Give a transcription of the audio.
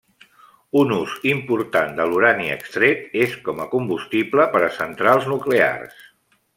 Un ús important de l'urani extret és com a combustible per a centrals nuclears.